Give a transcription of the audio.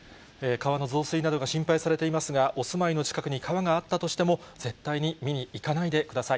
川の増水などが心配されていますが、お住まいの近くに川があったとしても、絶対に見に行かないでください。